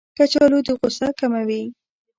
کچالو د غوسه کموي